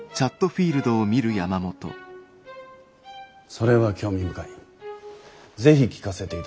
それは興味深い。